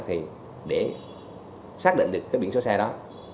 thì để xác định được cái biển sâu xa đó